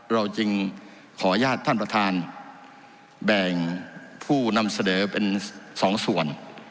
เราจึงขออนุญาตท่านประธานแบ่งผู้นำเสนอเป็นสองส่วน